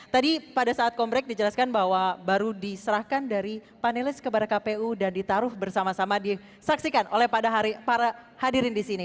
tadi pada saat kompreh dijelaskan bahwa baru diserahkan dari panelis kepada kpu dan ditaruh bersama sama disaksikan oleh para hadirin di sini